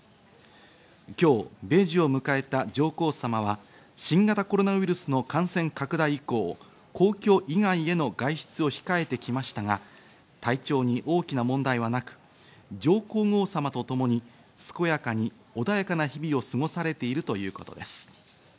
今日、米寿を迎えた上皇さまは、新型コロナウイルスの感染拡大以降、皇居以外への外出を控えてきましたが、体調に大きな問題はなく、上皇后さまとともに健やかに穏やかな日々を過ごされているということです。